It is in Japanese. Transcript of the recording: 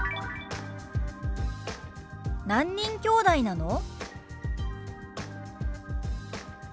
「何人きょうだいなの？」。